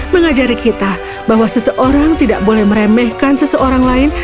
mengajari kita bahwa seseorang tidak boleh meremehkan seseorang lain